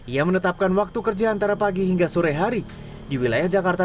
ia menetapkan waktu kerja antara pagi hingga sore hari di wilayah jakarta